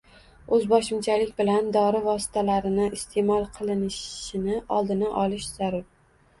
Oʻzboshimchalik bilan dori vositalarini isteʼmol qilishini oldini olish zarur.